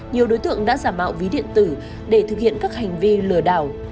nhiều đối tượng đã giả mạo ví điện tử để thực hiện các hành vi lừa đảo